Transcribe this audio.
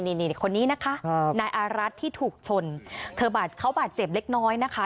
นี่คนนี้นะคะนายอารัฐที่ถูกชนเธอบาดเจ็บเขาบาดเจ็บเล็กน้อยนะคะ